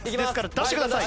出してください。